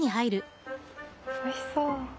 おいしそう！